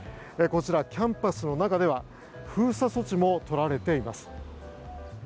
こちら、キャンパスの中では封鎖措置もとられています。